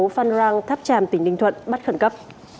phan rang tháp tràm tỉnh ninh thuận bắt khẩn cấp